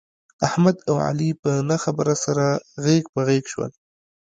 احمد او علي په نه خبره سره غېږ په غېږ شول.